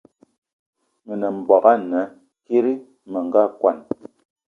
Me nem mbogue ana kiri me nga kwan